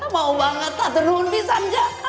mau banget atunumpisan aja